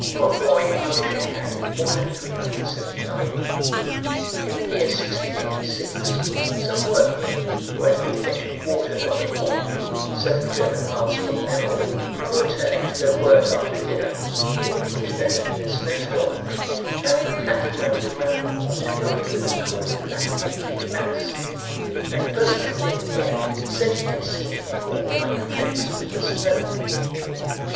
Proc. Roy. Irish Acad., 1 379: "In the year 1686, some workmen, who had been fetching water from a pond, seven German miles from Memel, on returning to their work after dinner (during which there had been a snowstorm) found the flat ground around the pond covered with a coal black, leafy mass; and a person who lived near said he had seen it fall like flakes with the snow."